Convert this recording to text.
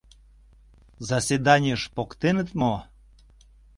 Заседанийыш поктеныт мо?